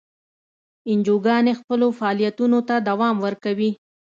انجیوګانې خپلو فعالیتونو ته دوام ورکوي.